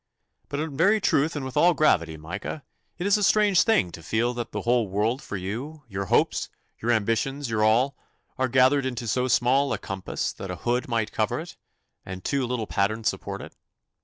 'But in very truth and with all gravity, Micah, it is a strange thing to feel that the whole world for you, your hopes, your ambitions, your all, are gathered into so small a compass that a hood might cover it, and two little pattens support it.